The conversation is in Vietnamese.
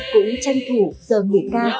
cũng tranh thủ giờ nghỉ ca